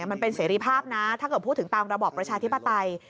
มันเป็นเสรีภาพนะถ้าเกิดพูดถึงตามระบอบประชาธิปไตย